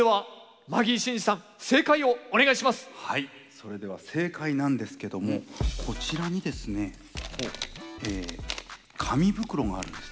それでは正解なんですけどもこちらにですね紙袋があるんです。